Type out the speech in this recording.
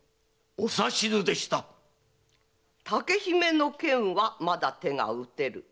竹姫の件はまだ手が打てる。